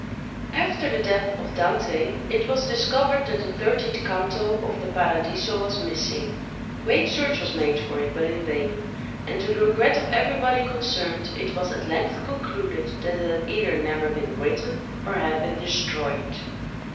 After the death of Dante, it was discovered that the thirteenth canto of the "Paradiso" was missing; great search was made for it, but in vain; and to the regret of everybody concerned, it was at length concluded that it had either never been written, or had been destroyed.